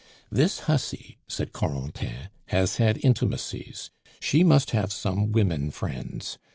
"This hussy," said Corentin, "has had intimacies; she must have some women friends.